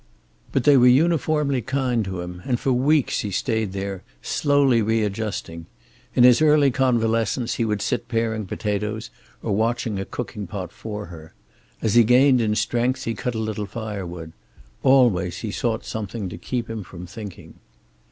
But they were uniformly kind to him, and for weeks he stayed there, slowly readjusting. In his early convalescence he would sit paring potatoes or watching a cooking pot for her. As he gained in strength he cut a little firewood. Always he sought something to keep him from thinking.